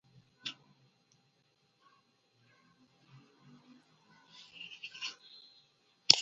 Un canal desemboca en el Ofotfjord.